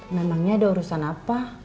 memangnya ada urusan apa